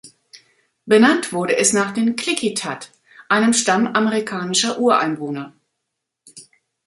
Benannt wurde es nach den Klickitat, einem Stamm amerikanischer Ureinwohner.